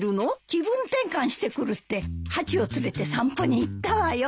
気分転換してくるってハチを連れて散歩に行ったわよ。